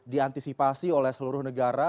diantisipasi oleh seluruh negara